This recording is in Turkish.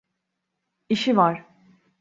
İşi var.